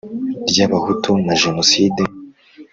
ry Abahutu na jenoside